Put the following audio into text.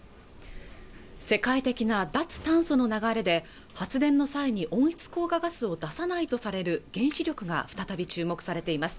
世界的な脱炭素の流れで発電の際に温室効果ガスを出さないとされる原子力が再び注目されています